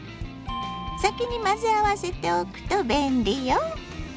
先に混ぜ合わせておくと便利よ。